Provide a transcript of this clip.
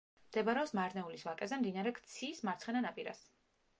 მდებარეობს მარნეულის ვაკეზე, მდინარე ქციის მარცხენა ნაპირას.